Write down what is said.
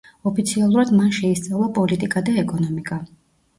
ოფიციალურად მან შეისწავლა პოლიტიკა და ეკონომიკა.